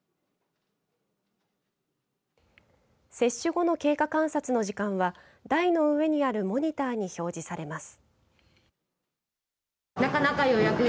接種後の経過観察の時間は台の上にあるモニターに表示されます。